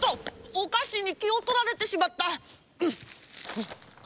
おかしにきをとられてしまった！